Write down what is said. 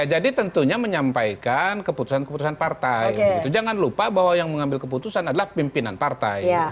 jadi tentunya menyampaikan keputusan keputusan partai jangan lupa bahwa yang mengambil keputusan adalah pimpinan partai